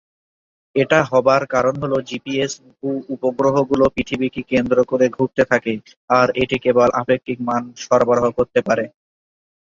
এটা হবার কারণ হল জিপিএস ভূ-উপগ্রহগুলো পৃথিবীকে কেন্দ্র করে ঘুরতে থাকে আর এটি কেবল আপেক্ষিক মান সরবরাহ করতে পারে।